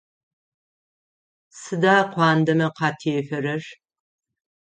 Сыда куандэмэ къатефэрэр?